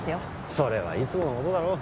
それはいつものことだろ？